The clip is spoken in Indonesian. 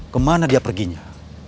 kemana dia perginya